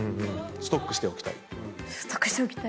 ストックしておきたい。